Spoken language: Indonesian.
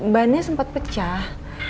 ban nya sempat pecah